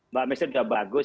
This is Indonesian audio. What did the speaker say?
mbak mestri juga bagus